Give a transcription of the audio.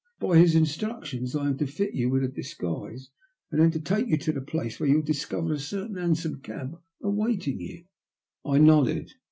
By his instructions I am to fit you with a disguise, and then to take you to the place where you will discover a certain hansom cab awaiting you." I nodded.